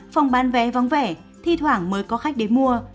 phòng bán vé vắng vẻ thi thoảng mới có khách đến mua